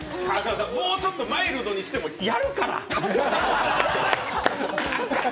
もうちょっとマイルドにしてもやるから！